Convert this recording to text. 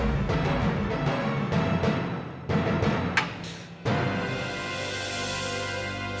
mama left but